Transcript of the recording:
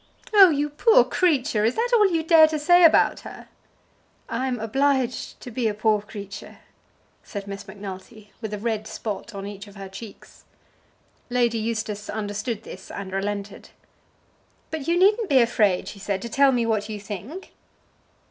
"Oh, you poor creature! Is that all you dare to say about her?" "I'm obliged to be a poor creature," said Miss Macnulty, with a red spot on each of her cheeks. Lady Eustace understood this, and relented. "But you needn't be afraid," she said, "to tell me what you think."